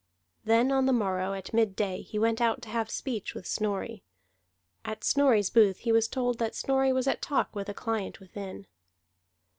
Then on the morrow, at midday, he went out to have speech with Snorri. At Snorri's booth he was told that Snorri was at talk with a client within.